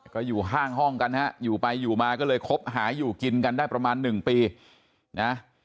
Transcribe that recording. ก็อยู่ข้างห้องกันฮะอยู่ไปอยู่มาก็เลยคบหาอยู่กินกันได้ประมาณ๑ปีนะ